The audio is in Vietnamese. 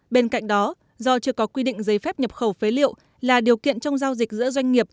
bên cạnh đó do chưa có quy định giấy phép nhập khẩu phế liệu là điều kiện trong giao dịch giữa doanh nghiệp